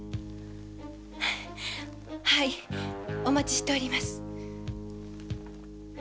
お待ちしております。